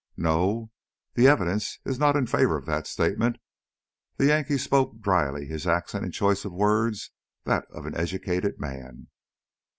"No? The evidence is not in favor of that statement," the Yankee spoke dryly, his accent and choice of words that of an educated man.